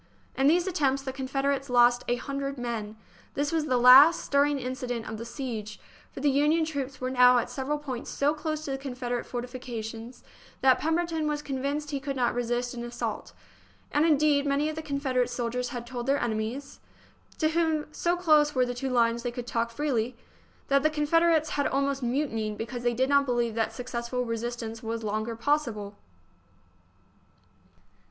In these attempts the Confederates lost a hun dred men. This was the last stirring incident of the siege, for the Union troops were now at several points so close to the Confederate fortifications that Pemberton was convinced he could not resist an assault; and, indeed, many of the Confederate soldiers had told their enemies (to whom, so close were the two lines, they could talk freely) that the Confederates had almost mutinied because they did not believe that successful resistance was longer possible.